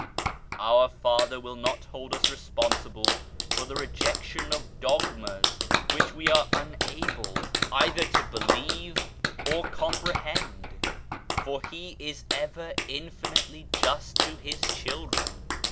Our Father will not hold us responsible for the re jection of dogmas which we are unable either to believe 22 GOD COMPREHENDS ALL or comprehend, for He is ever infinitely just to His children.